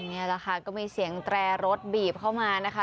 นี่แหละค่ะก็มีเสียงแตรรถบีบเข้ามานะคะ